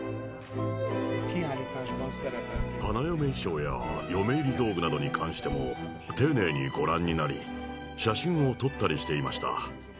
花嫁衣装や嫁入り道具などに関しても、丁寧にご覧になり、写真を撮ったりしていました。